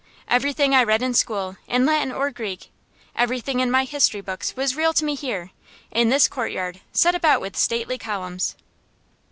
Everything I read in school, in Latin or Greek, everything in my history books, was real to me here, in this courtyard set about with stately columns.